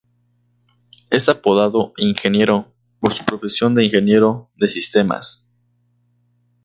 Es apodado "Ingeniero", por su profesión de Ingeniero de Sistemas.